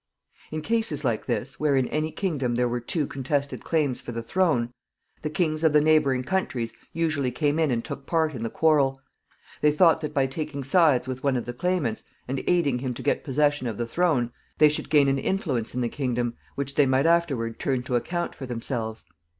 In cases like this, where in any kingdom there were two contested claims for the throne, the kings of the neighboring countries usually came in and took part in the quarrel. They thought that by taking sides with one of the claimants, and aiding him to get possession of the throne, they should gain an influence in the kingdom which they might afterward turn to account for themselves.